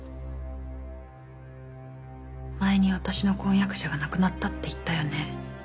前に私の婚約者が亡くなったって言ったよね。